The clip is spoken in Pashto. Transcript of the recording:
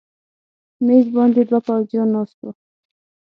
مېز باندې دوه پوځیان ناست و.